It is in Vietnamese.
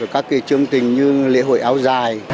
các chương trình như lễ hội áo dài